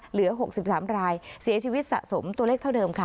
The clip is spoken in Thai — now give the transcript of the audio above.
เหลือ๖๓รายเสียชีวิตสะสมตัวเลขเท่าเดิมค่ะ